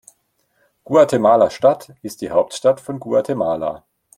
Guatemala-Stadt ist die Hauptstadt von Guatemala.